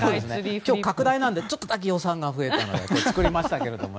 今日、拡大なんでちょっとだけ予算が増えたので作りましたけども。